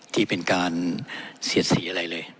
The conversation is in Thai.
ที่เป็นการเสียดสีอะไรเลย